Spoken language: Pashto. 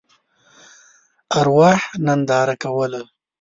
ارواح ننداره کوله.